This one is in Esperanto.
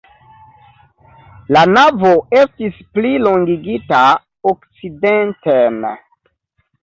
La navo estis plilongigita okcidenten.